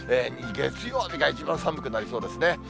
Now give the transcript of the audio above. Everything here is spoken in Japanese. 月曜日が一番寒くなりそうですね。